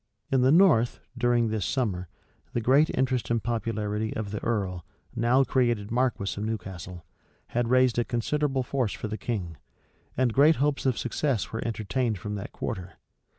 In the north, during this summer, the great interest and popularity of the earl, now created marquis of Newcastle, had raised a considerable force for the king; and great hopes of success were entertained from that quarter.